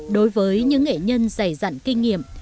đối với những nghệ nhân dày dặn kinh nghiệm